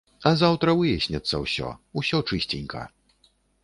А заўтра выясніцца ўсё, усё чысценька.